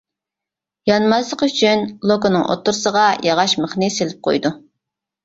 يانماسلىقى ئۈچۈن لوكىنىڭ ئوتتۇرىسىغا ياغاچ مىخنى سېلىپ قويىدۇ.